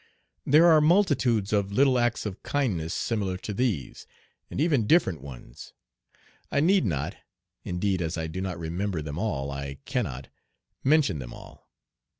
There are multitudes of little acts of kindness similar to these, and even different ones. I need not indeed as I do not remember them all I cannot mention them all.